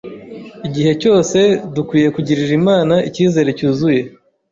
Igihe cyose dukwiye kugirira Imana icyizere cyuzuye.